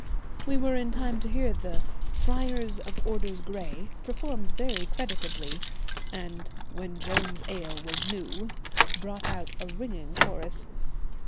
We were in time to hear the 'Friar of Orders Gray' performed very creditably, and 'When Joan's ale was new' brought out a ringing chorus.